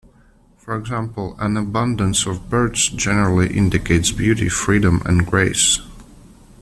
For example, an abundance of birds generally indicates beauty, freedom and grace.